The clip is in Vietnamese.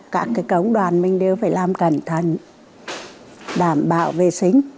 các cái cống đoàn mình đều phải làm cẩn thận đảm bảo vệ sinh